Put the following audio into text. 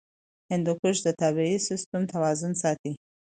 هندوکش د طبعي سیسټم توازن ساتي.